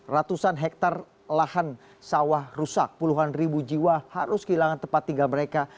ratusan hektare lahan sawah rusak puluhan ribu jiwa harus kehilangan tempat tinggal mereka